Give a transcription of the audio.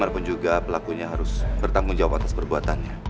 bagaimanapun juga pelakunya harus bertanggung jawab atas perbuatannya